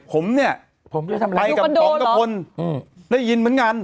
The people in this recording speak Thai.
ผมเนี่ยผมไปกับป๋องกระพลได้ยินเหมือนกัน